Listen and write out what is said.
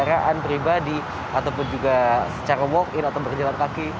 kendaraan pribadi ataupun juga secara walk in atau berjalan kaki